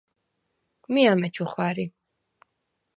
მი ამეჩუ ხვა̈რი.